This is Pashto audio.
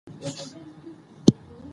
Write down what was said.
خاوره د افغان کورنیو د دودونو مهم عنصر دی.